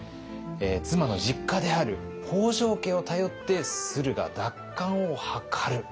妻の実家である北条家を頼って駿河奪還を図る。